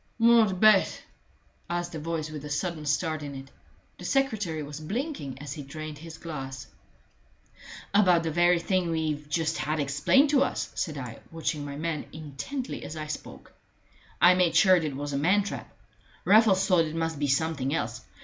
"What bet?" asked a voice with a sudden start in it. The secretary was blinking as he drained his glass. "About the very thing we've just had explained to us," said I, watching my man intently as I spoke. "I made sure it was a man trap. Raffles thought it must be something else.